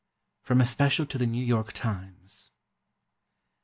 From a special to THE NEW YORK TIMES.